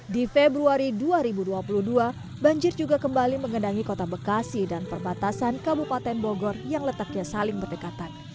di februari dua ribu dua puluh dua banjir juga kembali mengendangi kota bekasi dan perbatasan kabupaten bogor yang letaknya saling berdekatan